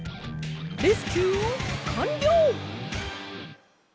レスキューかんりょう！